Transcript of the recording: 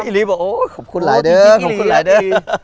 อเจมส์ขอบคุณหลายเดิมขอบคุณหลายเดิม